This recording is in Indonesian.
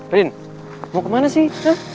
rin mau kemana sih